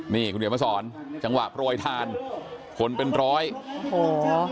นี่คุณเดี๋ยวมาสอนจังหวะโปรยทานคนเป็นร้อยโอ้โห